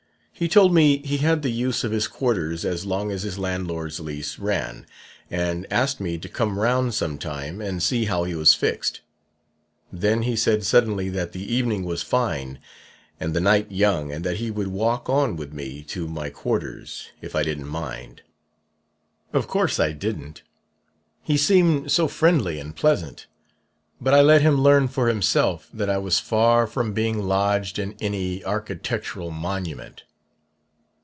He told me he had the use of his quarters as long as his landlord's lease ran, and asked me to come round some time and see how he was fixed. Then he said suddenly that the evening was fine and the night young and that he would walk on with me to my quarters, if I didn't mind. Of course I didn't he seemed so friendly and pleasant; but I let him learn for himself that I was far from being lodged in any architectural monument.